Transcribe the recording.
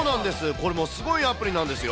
これもうすごいアプリなんですよ。